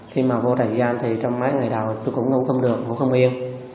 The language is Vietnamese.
khi mà vô trại giam thì trong mấy ngày đầu tôi cũng ngủ không được ngủ không yên